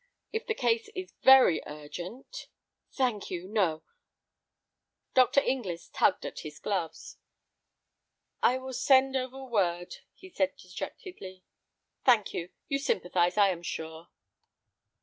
If the case is very urgent—" Dr. Inglis tugged at his gloves. "I will send over word," he said, dejectedly. "Thank you; you sympathize, I am sure."